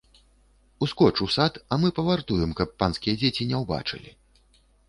Ускоч у сад, а мы павартуем, каб панскія дзеці не ўбачылі.